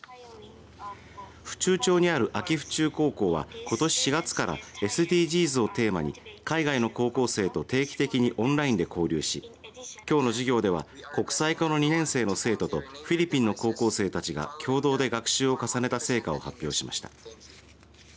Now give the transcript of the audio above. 府中町にある安芸府中高校はことし４月からＳＤＧｓをテーマに海外の高校生と定期的にオンラインで交流しきょうの授業では国際科の２年生の生徒とフィリピンの高校生たちが共同で学習を重ねた成果を発表しました。